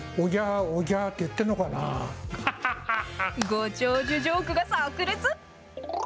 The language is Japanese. ご長寿ジョークがさく裂。